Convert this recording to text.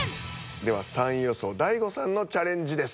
では３位予想大悟さんのチャレンジです。